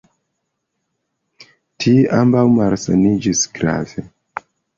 Tie ambaŭ malsaniĝis grave.